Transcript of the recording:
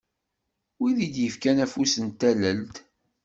Wid i d-yefkan afus n tallelt.